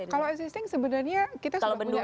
kalau existing sebenarnya kita sudah punya